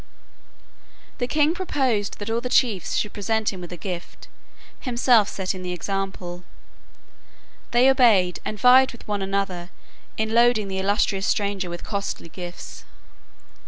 The king proposed that all the chiefs should present him with a gift, himself setting the example. They obeyed, and vied with one another in loading the illustrious stranger with costly gifts.